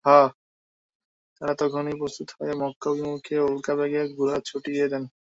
তারা তখনই প্রস্তুত হয়ে মক্কা অভিমুখে উল্কা বেগে ঘোড়া ছুটিয়ে দেন।